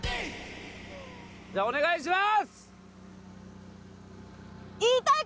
じゃあお願いします！